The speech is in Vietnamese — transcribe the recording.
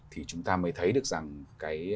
thì chúng ta mới thấy được rằng cái